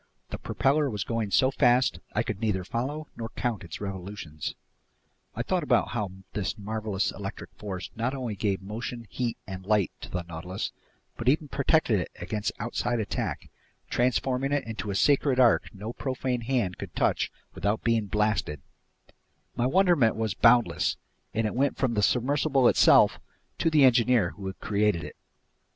The propeller was going so fast I could neither follow nor count its revolutions. I thought about how this marvelous electric force not only gave motion, heat, and light to the Nautilus but even protected it against outside attack, transforming it into a sacred ark no profane hand could touch without being blasted; my wonderment was boundless, and it went from the submersible itself to the engineer who had created it.